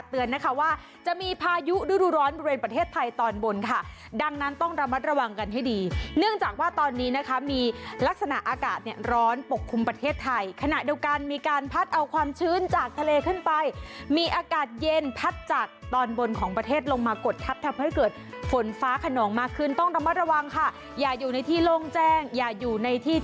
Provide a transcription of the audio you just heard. เตือนนะคะว่าจะมีพายุฤดูร้อนบริเวณประเทศไทยตอนบนค่ะดังนั้นต้องระมัดระวังกันให้ดีเนื่องจากว่าตอนนี้นะคะมีลักษณะอากาศเนี่ยร้อนปกคลุมประเทศไทยขณะเดียวกันมีการพัดเอาความชื้นจากทะเลขึ้นไปมีอากาศเย็นพัดจากตอนบนของประเทศลงมากดทับทำให้เกิดฝนฟ้าขนองมากขึ้นต้องระมัดระวังค่ะอย่าอยู่ในที่โล่งแจ้งอย่าอยู่ในที่